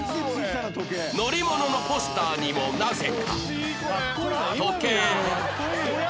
乗り物のポスターにもなぜか時計